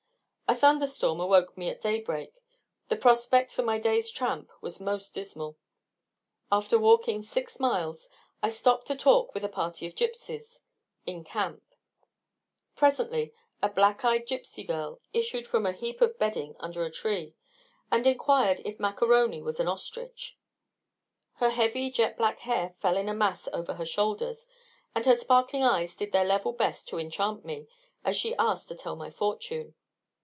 A thunderstorm awoke me at day break; the prospect for my day's tramp was most dismal. After walking six miles, I stopped to talk with a party of gypsies, in camp. Presently a black eyed gypsy girl issued from a heap of bedding under a tree, and inquired if Mac A'Rony was an ostrich. Her heavy jet black hair fell in a mass over her shoulders, and her sparkling eyes did their level best to enchant me, as she asked to tell my fortune.